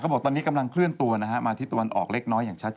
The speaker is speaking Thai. บอกตอนนี้กำลังเคลื่อนตัวนะฮะมาที่ตะวันออกเล็กน้อยอย่างชัด